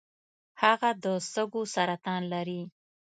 هغه د سږو سرطان و .